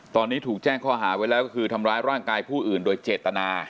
ตอนนี้ถูกแจ้งข้อหาไว้แล้วก็คือทำร้ายร่างกายผู้อื่นโดยเจตนา